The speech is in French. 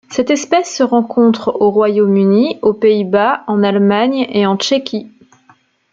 Cette espèce se rencontre au Royaume-Uni, aux Pays-Bas, en Allemagne et en Tchéquie.